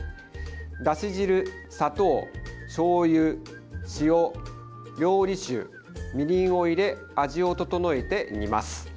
だし汁、砂糖、しょうゆ塩、料理酒、みりんを入れ味を調えて煮ます。